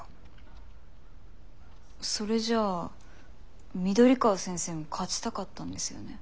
それじゃあ緑川先生も勝ちたかったんですよね？